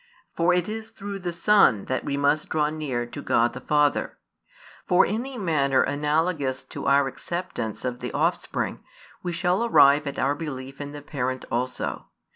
For it is through the Son that we must draw near to |245 God the Father. For in a manner analogous to our acceptance of the Offspring, we shall arrive at our belief in the Parent also.